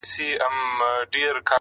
چي د خندا خبري پټي ساتي.